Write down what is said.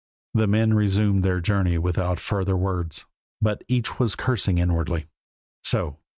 The men resumed their journey without further words, but each was cursing inwardly. "So!